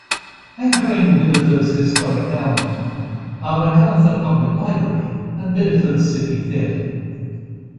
Anchoring Biddeford's historic downtown are McArthur Public Library and Biddeford's City Theater.